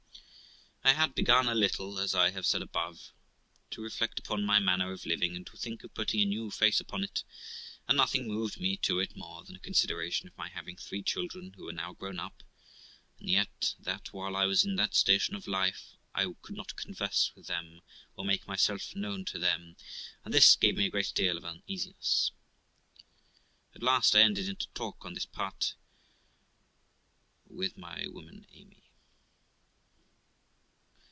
I had begun a little, as I have said above, to reflect upon my manner of living, and to think of putting a new face upon it, and nothing moved me to it more than the consideration of my having three children, who were now grown up ; and yet that, while I was in that station of life, I could not converse with them or make myself known to them; and this gave me a great deal of uneasiness. At last I entered into talk on this part of it with my woman Amy.